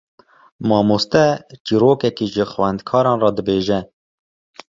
Mamoste çîrokekê ji xwendekaran re dibêje.